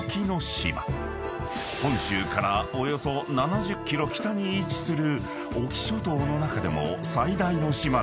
［本州からおよそ７０ｋｍ北に位置する］